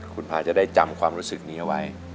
คุณพาจะได้จำความรู้สึกนี้เอาไว้